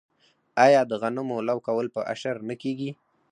آیا د غنمو لو کول په اشر نه کیږي؟